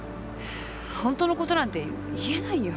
本当のことなんて言えないよ。